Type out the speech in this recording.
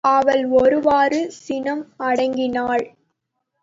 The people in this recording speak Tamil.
அவள் ஒருவாறு சினம் அடங்கினாள்.